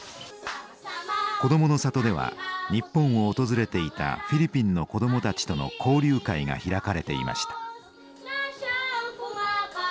「こどもの里」では日本を訪れていたフィリピンの子どもたちとの交流会が開かれていました。